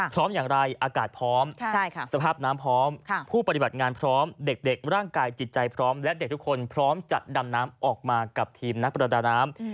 พร้อมอย่างไรอากาศพร้อมสภาพน้ำพร้อมผู้ปฏิบัติงานพร้อมเด็กร่างกายจิตใจพร้อมและเด็กทุกคนพร้อมจะดำน้ำออกมากับทีมนักประดาน้ำ